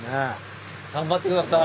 頑張って下さい！